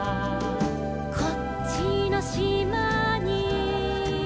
「こっちのしまに」